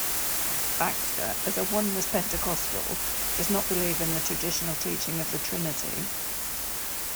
Baxter, as a Oneness Pentecostal, does not believe in the traditional teaching of theTrinity.